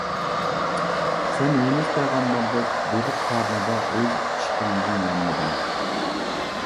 سەن يۇنۇس پەيغەمبەردەك، بېلىق قارنىدا ئۆز ئىشقىڭدىن يانمىدىڭ.